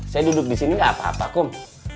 saya duduk disini gak apa apa kum